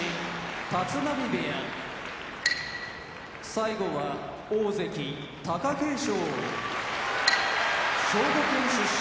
立浪部屋大関・貴景勝兵庫県出身